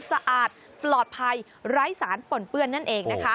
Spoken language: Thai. สะอาดปลอดภัยไร้สารปนเปื้อนนั่นเองนะคะ